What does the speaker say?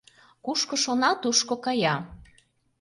Кушко шона, тушко кая.